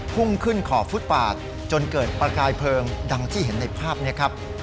พุ่งขึ้นขอบฟุตปาดจนเกิดประกายเพลิงดังที่เห็นในภาพนี้ครับ